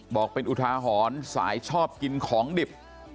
บอกเป็นอุทาหรณ์สายชอบกินของดิบ